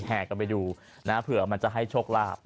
แห่กันไปดูนะเผื่อมันจะให้โชคลาภ